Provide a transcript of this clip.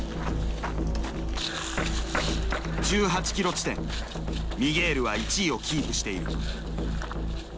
１８ｋｍ地点ミゲールは１位をキープしている。